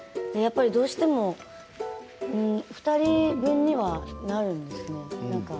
やっぱりどうしても２人分にはなるんですよ。